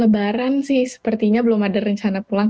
lebaran sih sepertinya belum ada rencana pulang